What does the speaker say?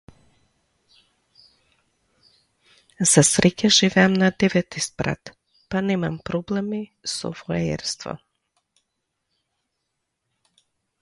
За среќа, живеам на деветти спрат, па немам проблеми со воајерство.